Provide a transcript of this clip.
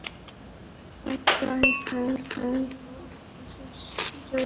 তাঁর জয় হোক, অশেষ জয় হোক।